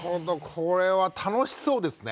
これは楽しそうですね。